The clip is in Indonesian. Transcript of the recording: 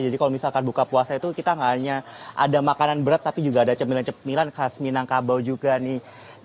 jadi kalau misalkan buka puasa itu kita tidak hanya ada makanan berat tapi juga ada cemilan cemilan khas minangkabau juga nih